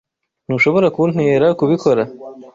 Ntushobora kuntera kubikora.